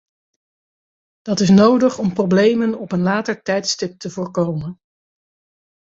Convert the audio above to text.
Dat is nodig om problemen op een later tijdstip te voorkomen.